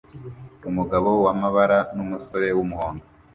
Umugabo wamabara numusore wumuhondo